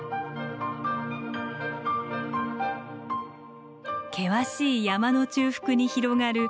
険しい山の中腹に広がる平らな土地。